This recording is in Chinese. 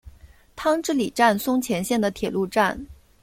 汤之里站松前线的铁路站。